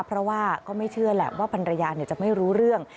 เพราะว่าก็ไม่เชื่อแหละว่าพันรยาจะไม่รู้เรื่อง